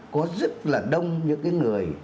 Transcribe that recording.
có rất là đông những cái người